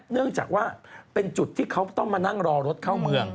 เนื่องจากว่าเป็นจุดที่เขาต้องมานั่งรอรถเข้าเมือง